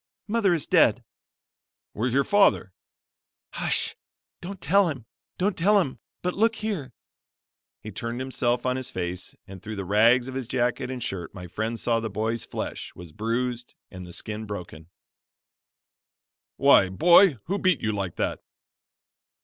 "Mother is dead." "Where's your father?" "Hush! don't tell him! don't tell him! but look here!" He turned himself on his face and through the rags of his jacket and shirt my friend saw the boy's flesh was bruised and the skin broken. "Why, boy, who beat you like that?"